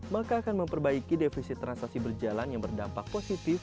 maka akan memperbaiki defisit transaksi berjalan yang berdampak positif